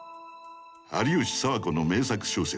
有吉佐和子の名作小説